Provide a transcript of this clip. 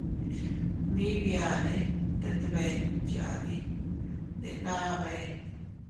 Mii biane tet bee ndutyadi, ndenna bee.